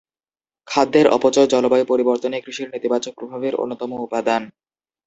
খাদ্যের অপচয় জলবায়ু পরিবর্তনে কৃষির নেতিবাচক প্রভাবের অন্যতম উপাদান।